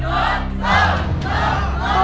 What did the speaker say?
สู้เลยค่ะ